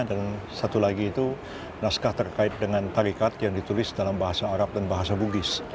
dan satu lagi itu naskah terkait dengan tarikat yang ditulis dalam bahasa arab dan bahasa bugis